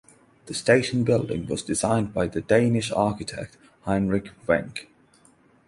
The station building was designed by the Danish architect Heinrich Wenck.